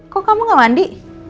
kok kamu gak mandi